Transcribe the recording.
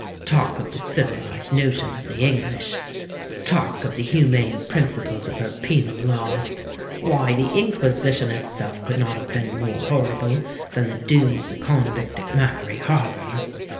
Talk of the civilised notions of the English—talk of the humane principles of her penal laws,—why, the Inquisition itself could not have been more horrible than the doom of the convict at Macquarie Harbour!